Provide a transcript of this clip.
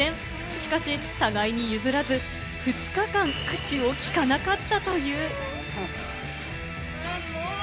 しかし互いに譲らず、２日間、口をきかなかったという。